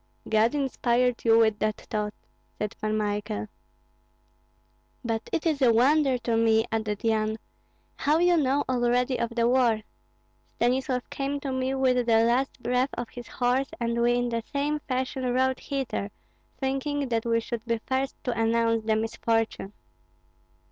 '" "God inspired you with that thought," said Pan Michael. "But it is a wonder to me," added Yan, "how you know already of the war. Stanislav came to me with the last breath of his horse, and we in that same fashion rode hither, thinking that we should be first to announce the misfortune."